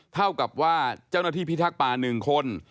เท่ากับว่าเจ้าหน้าที่พิทักษ์ป่า๑คน